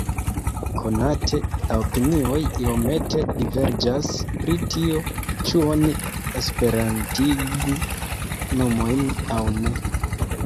Konate, la opinioj iomete diverĝas pri tio, ĉu oni esperantigu nomojn aŭ ne.